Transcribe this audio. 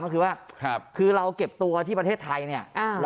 ก็คือว่าคือเราเก็บตัวที่ประเทศไทยเนี่ย